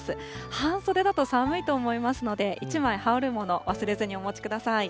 半袖だと寒いと思いますので、１枚羽織るもの、忘れずにお持ちください。